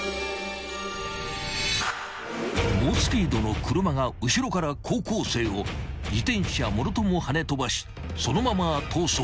［猛スピードの車が後ろから高校生を自転車もろともはね飛ばしそのまま逃走］